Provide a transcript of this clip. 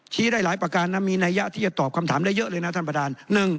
ได้หลายประการนะมีนัยยะที่จะตอบคำถามได้เยอะเลยนะท่านประธาน